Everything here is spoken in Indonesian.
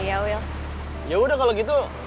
yaudah deh kalau gitu